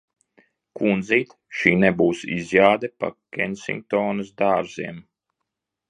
Kundzīt, šī nebūs izjāde pa Kensingtonas dārziem!